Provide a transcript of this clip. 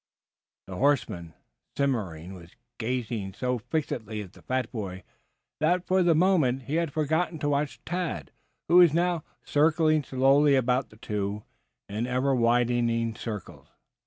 The horseman, glowering, was gazing so fixedly at the fat boy that for the moment he had forgotten to watch Tad, who was now circling slowly about the two in ever widening circles.